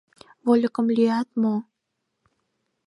Вольыкым лӱят мо?